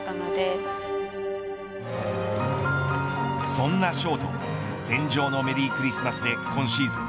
そんなショート戦場のメリークリスマスで今シーズン